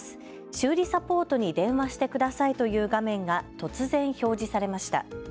修理サポートに電話してくださいという画面が突然、表示されました。